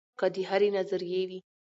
کۀ د هرې نظرئې وي